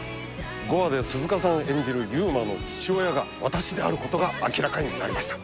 ５話で鈴鹿さん演じる祐馬の父親が私であることが明らかになりました